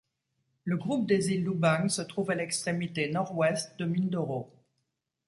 Le groupe des îles Lubang se trouve à l'extrémité nord-ouest de Mindoro.